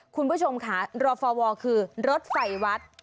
คุณผู้ชมค่ะรอฟวคือรถไฟวัด